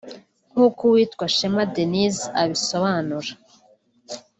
nk’uko uwitwa Shema Denise abisobanura